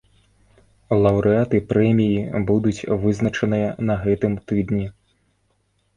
Лаўрэаты прэміі будуць вызначаныя на гэтым тыдні.